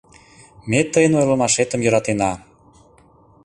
Ме тыйын ойлымашетым йӧратена.